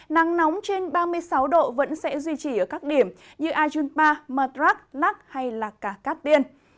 nắng nóng trên ba mươi sáu độ vẫn sẽ duy trì ở các điểm như ajunpa madrak lắc hay là cả cát tiên